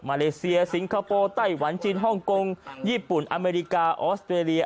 เลเซียสิงคโปร์ไต้หวันจีนฮ่องกงญี่ปุ่นอเมริกาออสเตรเลีย